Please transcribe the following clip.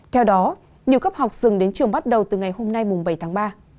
theo đó nhiều cấp học dừng đến trường bắt đầu từ ngày hôm nay bảy tháng ba